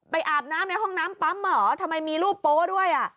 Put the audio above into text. อาบน้ำในห้องน้ำปั๊มเหรอทำไมมีรูปโป๊ะด้วยอ่ะ